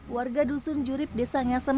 warga dusun jurip desa ngasem